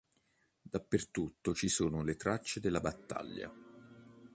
Dappertutto ci sono le tracce della battaglia.